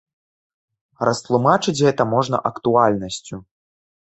Растлумачыць гэта можна актуальнасцю.